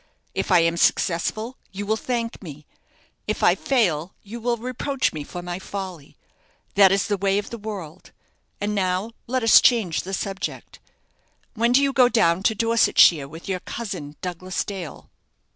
If I am successful, you will thank me. If I fail, you will reproach me for my folly. That is the way of the world. And now let us change the subject. When do you go down to Dorsetshire with your cousin, Douglas Dale?"